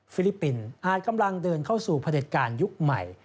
ลิปปินส์อาจกำลังเดินเข้าสู่พระเด็จการยุคใหม่